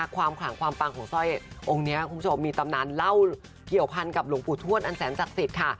ความขลังความปังของสร้อยองค์นี้คุณผู้ชมมีตำนานเล่าเกี่ยวพันกับหลวงปู่ทวดอันแสนศักดิ์สิทธิ์ค่ะ